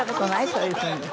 そういうふうに。